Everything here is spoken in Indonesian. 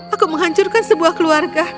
aku menghancurkan sebuah keluarga